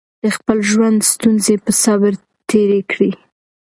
ما د خپل ژوند ستونزې په صبر تېرې کړې.